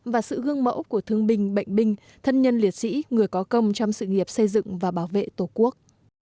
và sự gương mẫu của thương binh bệnh binh thân nhân liệt sĩ người có công trong sự nghiệp xây dựng và bảo vệ tổ quốc